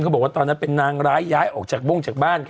บอกว่าตอนนั้นเป็นนางร้ายย้ายออกจากบ้งจากบ้าน